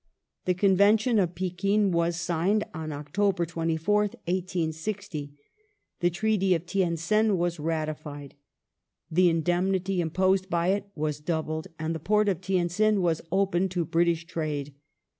The Conven tion of Pekin was signed on October 24th, 1860. The Treaty of Tientsin was ratified ; the indemnity imposed by it was doubled, and the Port of Tientsin was opened to British trade.